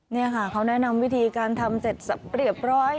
นี่ค่ะเขาแนะนำวิธีการทำเสร็จเรียบร้อย